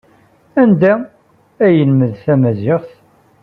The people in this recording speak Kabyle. Anda ay yelmed tamaziɣt?